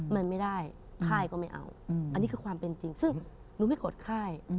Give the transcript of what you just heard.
มันไม่ได้ค่ายก็ไม่เอาอันนี้คือความเป็นจริงซึ่งหนูไม่โกรธค่าย